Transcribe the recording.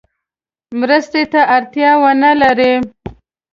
مرستې ته اړتیا ونه لري.